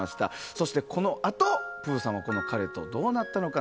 そして、このあとぷぅさんはこの彼とどうなったのか。